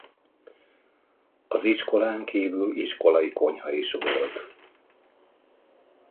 Az iskolán kívül iskolai konyha is volt.